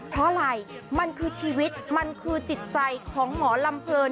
เพราะอะไรมันคือชีวิตมันคือจิตใจของหมอลำเพลิน